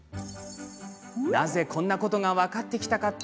なぜ、こんなことが分かってきたかって？